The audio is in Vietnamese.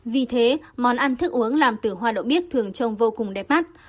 vì thế món ăn thức uống làm từ hoa đậu bí thường trông vô cùng đẹp mắt